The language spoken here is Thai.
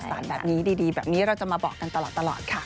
สถานแบบนี้ดีเราจะมาบอกกันตลอดค่ะ